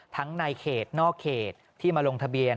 ในเขตนอกเขตที่มาลงทะเบียน